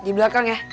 di belakang ya